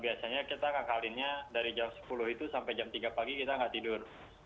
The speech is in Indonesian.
biasanya kita ngakalinnya dari jam sepuluh itu sampai jam tiga pagi kita nggak tidur